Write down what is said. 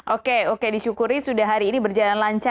oke oke disyukuri sudah hari ini berjalan lancar